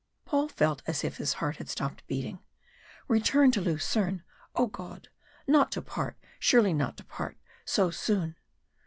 Paul felt as if his heart had stopped beating. Return to Lucerne! O God! not to part surely not to part so soon!